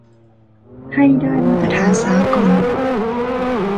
ให้ได้มาตรฐานสากล